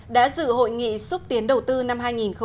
đã dự hội nghị xúc tiến đầu tư năm hai nghìn một mươi tám